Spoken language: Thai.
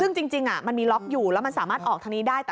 ซึ่งจริงมันมีล็อกอยู่แล้วมันสามารถออกทางนี้ได้